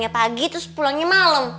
pagi terus pulangnya malem